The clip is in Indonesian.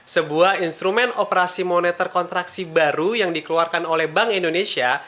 sebuah instrumen operasi moneter kontraksi baru yang dikeluarkan oleh bank indonesia